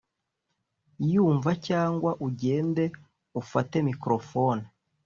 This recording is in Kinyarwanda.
nyumva cyangwa ugende ufate microphone